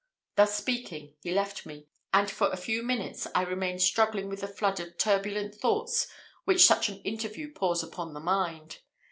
Thus speaking, he left me, and for a few minutes I remained struggling with the flood of turbulent thoughts which such an interview pours upon the mind.